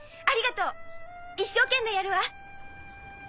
ありがとう一生懸命やるわ。